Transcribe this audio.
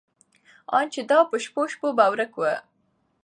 ان دا چې په شپو شپو به ورک و.